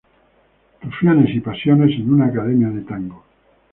Rufianes y pasiones en una academia de tango.